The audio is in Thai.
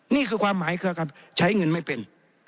นี่คือความหมายคือครับใช้เงินไม่เป็น